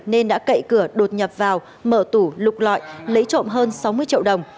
nên đã cậy cửa đột nhập vào mở tủ lục lọi lấy trộm hơn sáu mươi triệu đồng